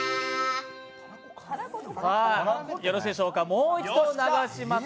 もう一度流します。